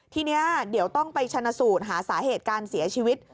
ทีนี้เดี๋ยวต้องไปชนะสูตรหาสาเหตุการเสียชีวิต